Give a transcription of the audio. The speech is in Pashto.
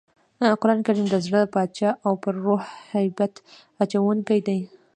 قرانکریم د زړه باچا او پر روح هیبت اچوونکی دئ.